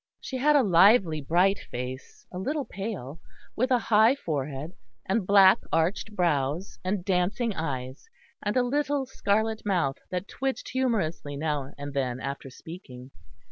She had a lively bright face, a little pale, with a high forehead, and black arched brows and dancing eyes, and a little scarlet mouth that twitched humorously now and then after speaking.